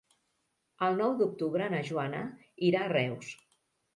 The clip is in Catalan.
El nou d'octubre na Joana irà a Reus.